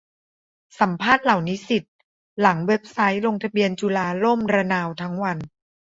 สัมภาษณ์เหล่านิสิต หลังเว็บไซต์ลงทะเบียนจุฬาล่มระนาวทั้งวัน